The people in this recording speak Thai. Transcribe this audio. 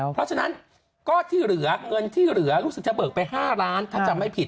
เพราะฉะนั้นก็ที่เหลือเงินที่เหลือรู้สึกจะเบิกไป๕ล้านถ้าจำไม่ผิด